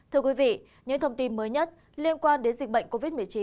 thưa quý vị những thông tin mới nhất liên quan đến dịch bệnh covid một mươi chín